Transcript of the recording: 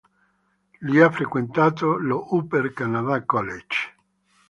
Li ha frequentato lo Upper Canada College.